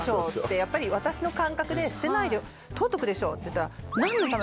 やっぱり私の感覚で「捨てないで取っとくでしょう」っていったら。